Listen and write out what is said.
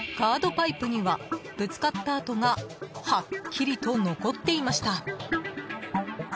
パイプにはぶつかった跡がはっきりと残っていました。